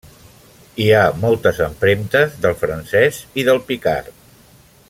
Hi ha moltes empremtes del francès i del picard.